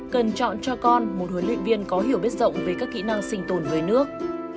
cần chọn cho con một huấn luyện viên có hiểu biết rộng về các kỹ năng sinh tồn về nước